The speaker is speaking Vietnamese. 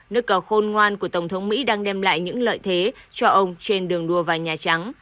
nước cờ khôn ngoan của tổng thống mỹ đang đem lại những lợi thế cho ông trên đường đua vào nhà trắng